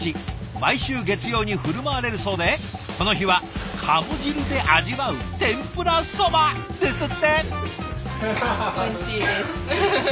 毎週月曜に振る舞われるそうでこの日はカモ汁で味わう天ぷらそばですって。